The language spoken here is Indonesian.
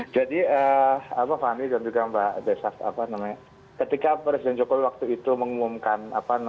jadi fani dan juga mbak desaf ketika presiden jokowi waktu itu mengumumkan